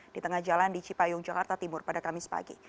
di tengah jalan di cipayung jakarta timur pada kamis pagi